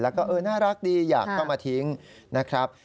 แล้วก็เออน่ารักดีอยากเข้ามาทิ้งนะครับ